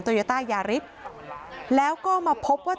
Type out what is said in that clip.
โยต้ายาริสแล้วก็มาพบว่า